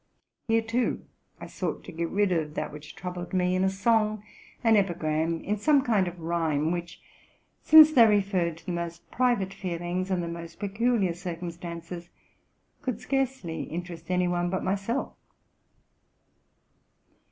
Here, too, I sought to get rid of that which troubled me, in a song, an epigram, in some kind of rhyme ; which, since they referred to the most private feelings and the most peculiar circumstances, could scarcely interest any one but myself.